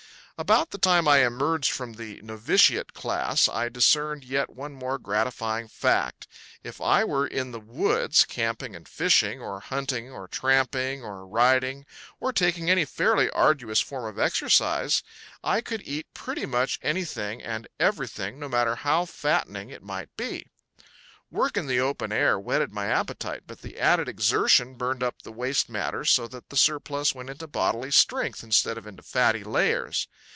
About the time I emerged from the novitiate class I discerned yet one more gratifying fact. If I were in the woods, camping and fishing, or hunting or tramping or riding or taking any fairly arduous form of exercise, I could eat pretty much anything and everything, no matter how fattening it might be. Work in the open air whetted my appetite, but the added exertion burned up the waste matter so that the surplus went into bodily strength instead of into fatty layers.